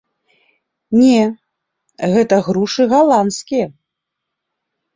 Не, гэта грушы галандскія.